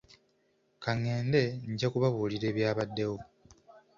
Ka ngende nja kubabuulira ebyabaddewo.